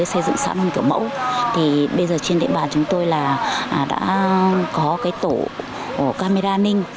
tới xây dựng sản phẩm kiểu mẫu thì bây giờ trên địa bàn chúng tôi là đã có cái tổ camera an ninh